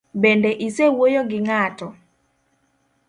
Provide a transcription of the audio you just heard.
Bende isewuoyo gi ng'ato?